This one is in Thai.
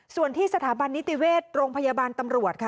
ส่วนที่สถาบันนิติเวชโรงพยาบาลตำรวจค่ะ